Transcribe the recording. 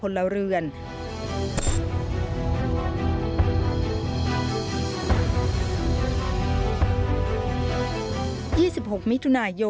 สวัสดีครับ